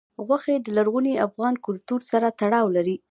غوښې د لرغوني افغان کلتور سره تړاو لري.